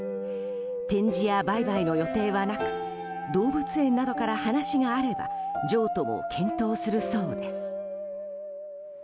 展示や売買の予定はなく動物園などから話があれば譲渡を検討するそうです。